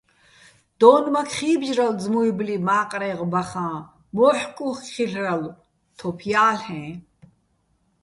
დო́ნმაქ ხი́ბჟრალო ძმუჲბლი მა́ყრეღ ბახაჼ, მოჰ̦კ უ̂ხ ხილ'რალო̆, თოფ ჲა́ლ'ეჼ.